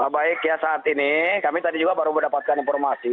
baik ya saat ini kami tadi juga baru mendapatkan informasi